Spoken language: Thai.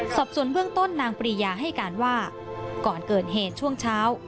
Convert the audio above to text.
สอบส่วนเบื้องต้นนางปรียาให้การว่าก่อนเกิดเหตุช่วงเช้า